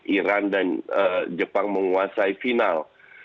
iran dan jepang menguasai final